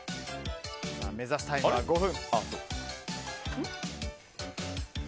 目指すタイムは５分。